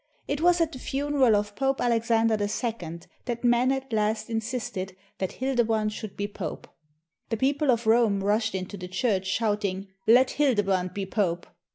It was at the funeral of Pope Alexander II that men at last insisted that Hildebrand should be Pope. The people of Rome rushed into the church shouting, "Let Hildebrand be Pope!"